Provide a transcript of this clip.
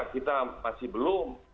kita masih belum